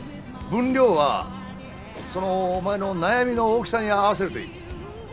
分量はそのお前の悩みの大きさに合わせるといい。